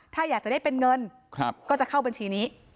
ถ้าอยากจะได้เป็นเงินก็จะเข้าบัญชีนี้